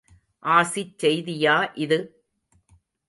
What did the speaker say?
ஆசிச் செய்தியா இது?